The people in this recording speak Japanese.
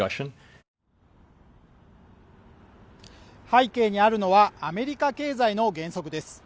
背景にあるのはアメリカ経済の減速です